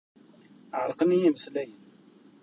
Ɛerqen-iyi imeslayen.